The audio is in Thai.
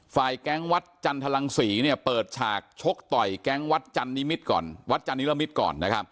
ฝ่ายแก๊งวัดจันทรังศรีเนี่ยเปิดฉากชกต่อยแก๊งวัดจันนิรมิตรก่อน